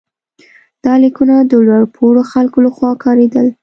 دا لیکونه د لوړ پوړو خلکو لخوا کارېدل.